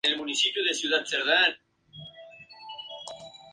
Tres temporadas militó en esta primera etapa, descendiendo a Preferente.